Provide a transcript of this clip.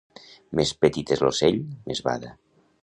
Més petit és l'ocell, més bada.